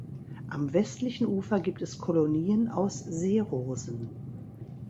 Am westlichen Ufer gibt es Kolonien aus Seerosen.